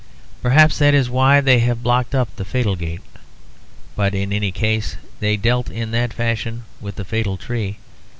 Perhaps that is why they have blocked up the fatal gate; but in any case they dealt in that fashion with the fatal tree.